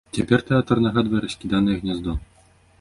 Цяпер тэатр нагадвае раскіданае гняздо.